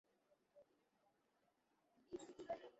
এক সেকেন্ড দাঁড়াও!